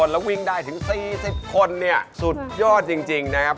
แล้ววิ่งได้ถึง๔๐คนเนี่ยสุดยอดจริงนะครับ